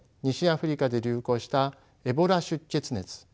西アフリカで流行したエボラ出血熱。